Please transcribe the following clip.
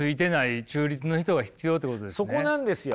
そこなんですよ。